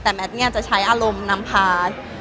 แต่แมทเนี่ยจะใช้อารมณ์นำพา